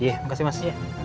iya makasih mas